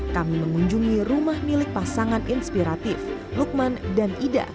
kami mengunjungi rumah milik pasangan inspiratif lukman dan ida